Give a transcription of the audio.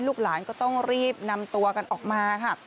ลูกหลานก็ต้องรีบนำตัวกันออกมาค่ะ